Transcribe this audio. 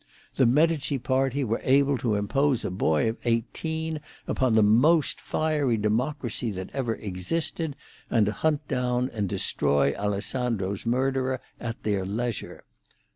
The Medici party were able to impose a boy of eighteen upon the most fiery democracy that ever existed, and to hunt down and destroy Alessandro's murderer at their leisure.